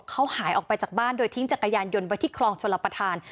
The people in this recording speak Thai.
เขาหายออกไปจากบ้านโดยทิ้งจักรยานยนต์ไว้ที่คลองชลประธาน